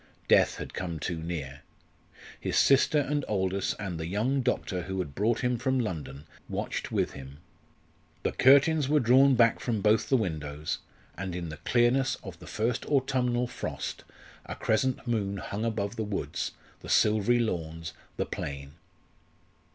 Death had come too near. His sister and Aldous and the young doctor who had brought him from London watched with him. The curtains were drawn back from both the windows, and in the clearness of the first autumnal frost a crescent moon hung above the woods, the silvery lawns, the plain.